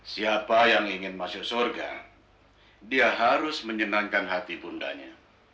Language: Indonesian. siapa yang ingin masuk surga dia harus menyenangkan hati bundanya